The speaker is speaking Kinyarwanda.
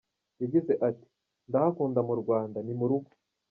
Yagize ati “Ndahakunda mu Rwanda, ni mu rugo.